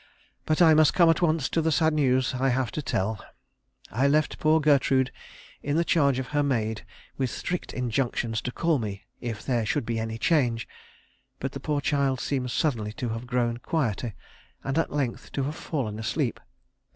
But I must come at once to the sad news I have to tell. I left poor Gertrude in the charge of her maid, with strict injunctions to call me if there should be any change; but the poor child seems suddenly to have grown quieter, and at length to have fallen asleep.